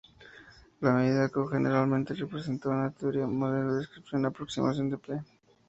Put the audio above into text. La medida "Q" generalmente representa una teoría, modelo, descripción o aproximación de "P".